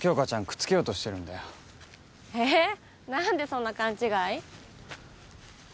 くっつけようとしてるんだよえっ何でそんな勘違い？